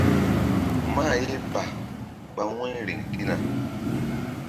Mah ye ba ɓa wu̧y riŋ ɗina.